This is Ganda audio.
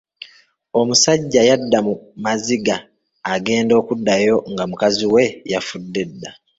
Omusajja yadda mu maziga agenda okuddayo nga mukazi we yafudde dda.